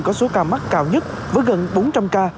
có số ca mắc cao nhất với gần bốn trăm linh ca